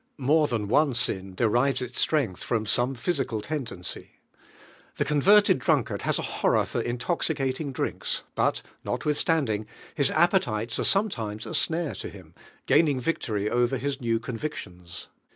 More than one sin derives its strength f rotn some ph jsi eal tendency. The converted drunkard has a hioiTOr for intoxicating drinks, but notwithstanding, his appetites are some times a snare to him, gaining victory over his new convictions.